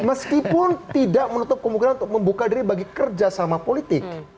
meskipun tidak menutup kemungkinan untuk membuka diri bagi kerjasama politik